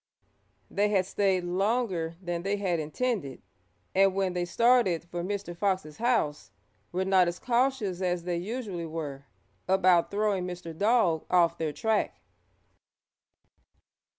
They had stayed longer than they had intended, and when they started for Mr. Fox's house were not as cautious as they usually were about throwing Mr. Dog off their track.